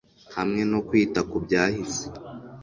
hamwe no kwita kubyahise